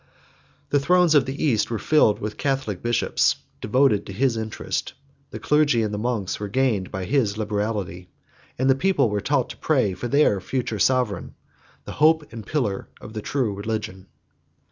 The thrones of the East were filled with Catholic bishops, devoted to his interest, the clergy and the monks were gained by his liberality, and the people were taught to pray for their future sovereign, the hope and pillar of the true religion.